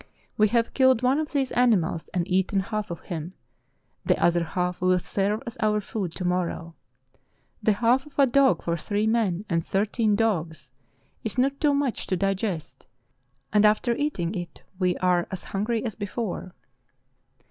We have killed one of these animals and eaten half of The Fidelity of Eskimo Bronlund 359 him; the other half will serve as our food to morrow. The half of a dog for three men and thirteen dogs is not too much to digest, and after eating it we are as hungry as before."